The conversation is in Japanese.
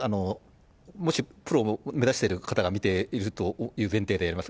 もしプロを目指してる方が見ているという前提でやります。